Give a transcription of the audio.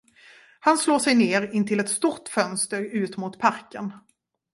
Han slår sig ner intill ett stort fönster ut mot parken.